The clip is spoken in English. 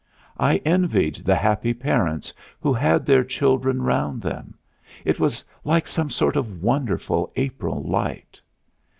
I envied the happy parents who had their children round them; it was like some sort of wonderful April light.